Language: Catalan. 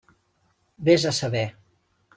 Vés a saber.